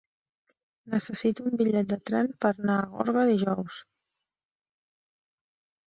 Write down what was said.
Necessito un bitllet de tren per anar a Gorga dijous.